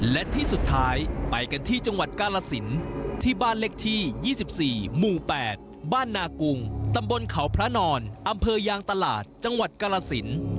และที่สุดท้ายไปกันที่จังหวัดกาลสินที่บ้านเลขที่๒๔หมู่๘บ้านนากุงตำบลเขาพระนอนอำเภอยางตลาดจังหวัดกาลสิน